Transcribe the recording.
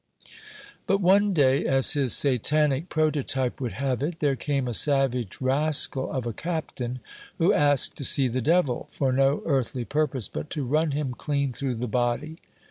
But one day, as his satanic prototype would have it, there came a savage rascal of a captain, who asked to see the devil, for no earthly purpose but to run him clean through the body.